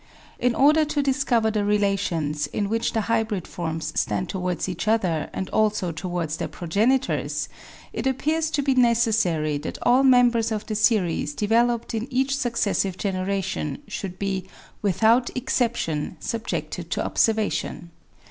] APPENDIX 315 order to discover the relations in which the hybrid forms stand towards each other and also towards their progenitors it appears to be necessary that all members of the series developed in each successive generation should be, without exception, subjected to observation.